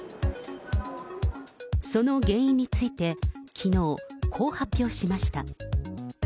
その原因について、きのう、こう発表しました。